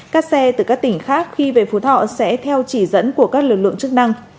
các xe từ các tỉnh khác khi về phú thọ sẽ theo chỉ dẫn của các lực lượng chức năng